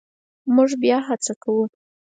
مونږ بیا هڅه کوو